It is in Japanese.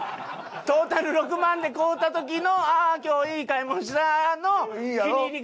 トータル６万で買うた時の「ああ今日いい買い物した」の気に入り方。